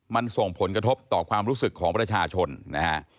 มันส่งผลกระทบต่อความรู้สึกของประชาชนนะฮะ